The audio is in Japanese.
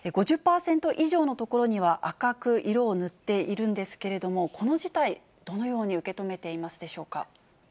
５０％以上の所には、赤く色を塗っているんですけれども、この事態、どのように受け止めていますでしょうか。